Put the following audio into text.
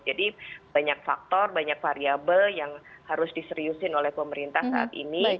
jadi banyak faktor banyak variable yang harus diseriusin oleh pemerintah saat ini